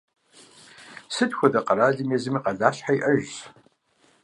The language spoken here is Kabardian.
Сыт хуэдэ къэралми езым и къалащхьэ иӀэжщ.